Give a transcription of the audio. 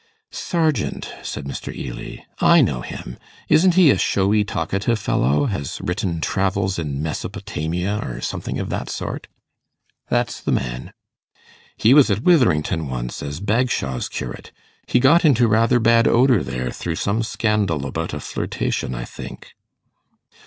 'Sargent,' said Mr. Ely. 'I know him. Isn't he a showy, talkative fellow; has written travels in Mesopotamia, or something of that sort?' 'That's the man.' 'He was at Witherington once, as Bagshawe's curate. He got into rather bad odour there, through some scandal about a flirtation, I think.